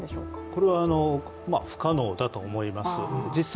これは不可能だと思います。